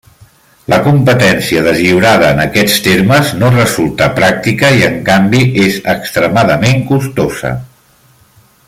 La competència deslliurada en aquests termes no resulta pràctica i en canvi és extremadament costosa.